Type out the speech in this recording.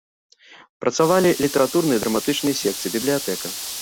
Працавалі літаратурныя і драматычныя секцыі, бібліятэка.